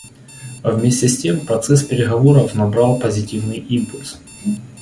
Вместе с тем процесс переговоров набрал позитивный импульс.